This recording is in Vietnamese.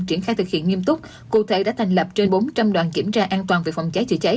triển khai thực hiện nghiêm túc cụ thể đã thành lập trên bốn trăm linh đoàn kiểm tra an toàn về phòng cháy chữa cháy